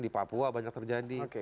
di papua banyak terjadi